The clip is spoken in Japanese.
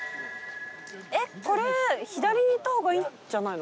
えっこれ左に行った方がいいんじゃないの？